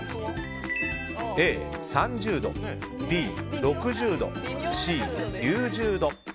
Ａ、３０度Ｂ、６０度Ｃ、９０度。